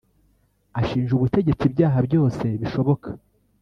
ashinja ubutegetsi ibyaha byose bishoboka